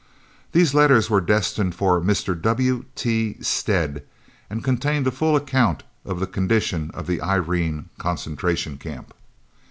These letters were destined for Mr. W.T. Stead and contained a full account of the condition of the Irene Concentration Camp.